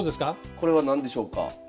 これは何でしょうか？